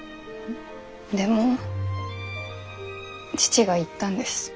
でも父が言ったんです。